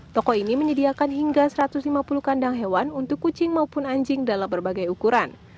toko ini menyediakan hingga satu ratus lima puluh kandang hewan untuk kucing maupun anjing dalam berbagai ukuran